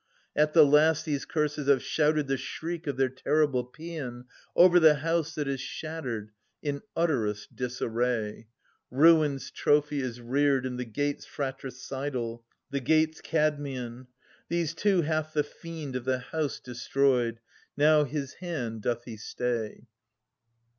At the last these Curses have shouted the shriek of their terrible paean Over the house that is shattered in utterest disarray. Ruin's trophy is reared in the gates fratricidal, the gates Kadmeian. These two hath the fiend of the house destroyed : now his hand doth he stay.